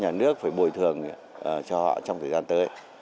nhà nước phải bồi thường cho họ trong thời gian tới